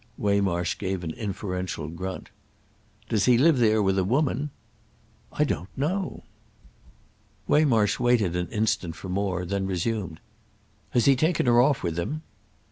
Waymarsh gave an inferential grunt. "Does he live there with a woman?" "I don't know." Waymarsh waited an instant for more, then resumed. "Has he taken her off with him?"